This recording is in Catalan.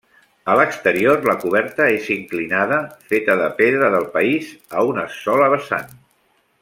A l'exterior la coberta és inclinada feta de pedra del país a una sola vessant.